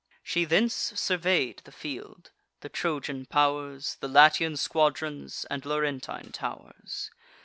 She thence survey'd the field, the Trojan pow'rs, The Latian squadrons, and Laurentine tow'rs.